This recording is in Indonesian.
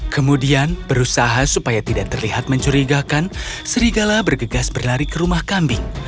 kemudian berusaha supaya tidak terlihat mencurigakan serigala bergegas berlari ke rumah kambing